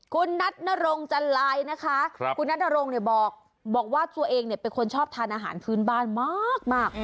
คุณนัทนรงจันลายนะคะคุณนัทนรงค์บอกว่าตัวเองเป็นคนชอบทานอาหารพื้นบ้านมาก